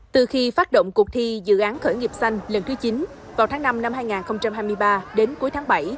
từ khi phát động cuộc thi dự án khởi nghiệp xanh lần thứ chín vào tháng năm năm hai nghìn hai mươi ba đến cuối tháng bảy